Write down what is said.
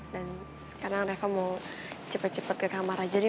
dan sekarang reva mau cepet cepet ke kamar aja nih